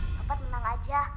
bapak menang aja